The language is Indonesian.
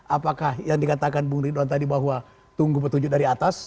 apakah yang dikatakan bung ridwan tadi bahwa tunggu petunjuk dari atas